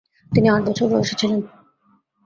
তিনি আট বছর বয়সী ছিলেন।